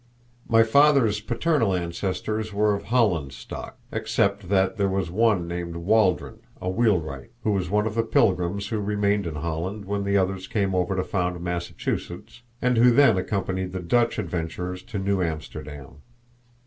My father's paternal ancestors were of Holland stock; except that there was one named Waldron, a wheelwright, who was one of the Pilgrims who remained in Holland when the others came over to found Massachusetts, and who then accompanied the Dutch adventurers to New Amsterdam.